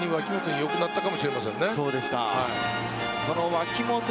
良くなったかもしれませんね。